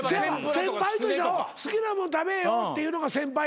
先輩としては好きなもん食べえよっていうのが先輩や。